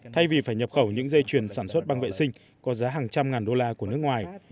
thay vì phải nhập khẩu những dây chuyền sản xuất băng vệ sinh có giá hàng trăm ngàn đô la của nước ngoài